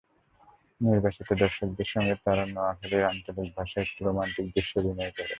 নির্বাচিত দর্শকদের সঙ্গে তাঁরা নোয়াখালীর আঞ্চলিক ভাষায় একটি রোমান্টিক দৃশ্যে অভিনয় করেন।